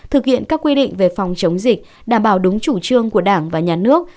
thực hiện các quy định về phòng chống dịch đảm bảo đúng chủ trương của đảng và nhà nước